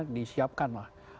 di siapkan lah